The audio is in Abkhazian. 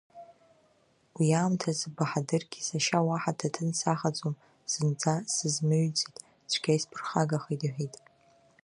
Уи аамҭазы Баҳадыргьы сашьа уаҳа аҭаҭын сахаӡом зынӡа сызмыҩӡеит цәгьа исԥырхагахеит иҳәеит.